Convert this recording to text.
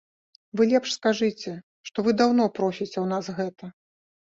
Вы лепш скажыце, што вы даўно просіце ў нас гэта.